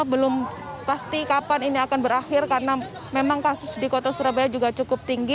belum pasti kapan ini akan berakhir karena memang kasus di kota surabaya juga cukup tinggi